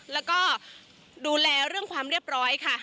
แล้วก็ดูแลเรื่องความเรียบร้อยค่ะ